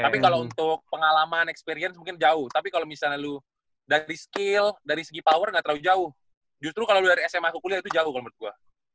tapi kalau untuk pengalaman experience mungkin jauh tapi kalau misalnya lu dari skill dari segi power nggak terlalu jauh justru kalau dari sma aku kuliah itu jauh kalau menurut gue